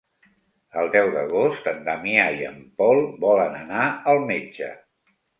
El deu d'agost en Damià i en Pol volen anar al metge.